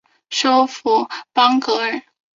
首府邦戈尔。